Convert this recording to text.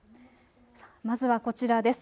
まずはこちらです。